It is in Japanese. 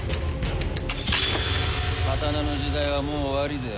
刀の時代はもう終わりぜよ。